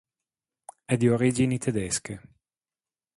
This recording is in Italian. È di origini tedesche.